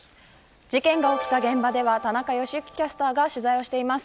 事件が起きた現場では田中良幸キャスターが取材をしています。